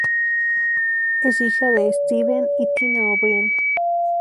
Es hija de Steven y Tina O'Brien.